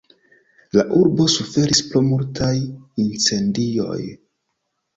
La urbo suferis pro multaj incendioj.